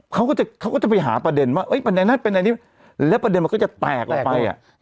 เขาก็จะเขาก็จะไปหาประเด็นว่าประเด็นนั้นเป็นอันนี้แล้วประเด็นมันก็จะแตกออกไปอ่ะ